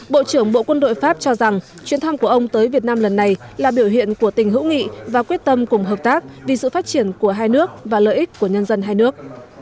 bộ trưởng bộ quân đội pháp cho rằng chuyến thăm của ông tới việt nam lần này là biểu hiện của tình hữu nghị và quyết tâm cùng hợp tác vì sự phát triển của hai nước và lợi ích của nhân dân hai nước